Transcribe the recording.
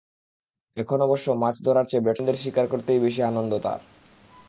এখন অবশ্য মাছ ধরার চেয়ে ব্যাটসম্যানদের শিকার করতেই বেশি আনন্দ তাঁর।